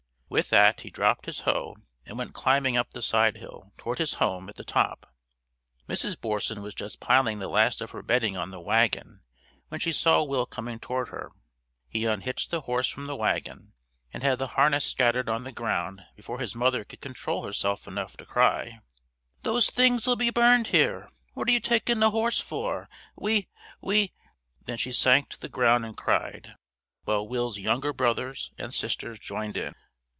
With that he dropped his hoe and went climbing up the side hill toward his home at the top. Mrs. Borson was just piling the last of her bedding on the wagon when she saw Will coming toward her. He unhitched the horse from the wagon, and had the harness scattered on the ground before his mother could control herself enough to cry: "Those things'll be burned here! What are you taking the horse for we we " Then she sank to the ground and cried, while Will's younger brothers and sisters joined in.